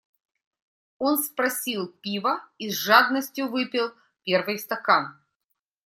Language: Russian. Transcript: Он спросил пива и с жадностию выпил первый стакан.